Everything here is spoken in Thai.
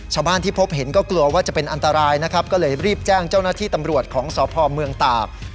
ชาวบ้านที่พบเห็นก็กลัวว่าจะเป็นอันตรายนะครับก็เลยรีบแจ้งเจ้าหน้าที่ตำรวจของสพเมืองตาก